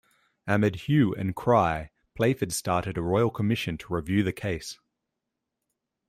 Amid hue and cry, Playford started a Royal Commission to review the case.